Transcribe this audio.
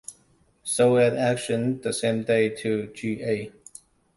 Sold at auction the same day to G. A.